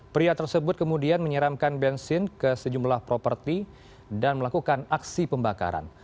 pria tersebut kemudian menyeramkan bensin ke sejumlah properti dan melakukan aksi pembakaran